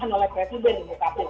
padahal tiga hakim itu